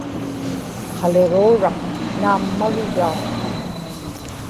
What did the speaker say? qaliġuuraq naammagigaa